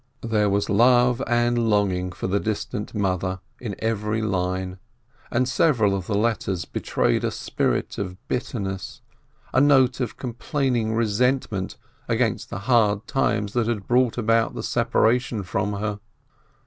There was love and longing for the distant mother in every line, and several of the letters betrayed a spirit of bitter ness, a note of complaining resentment against the hard times that had brought about the separation from her.